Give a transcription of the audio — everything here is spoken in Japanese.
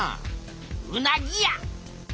うなぎや！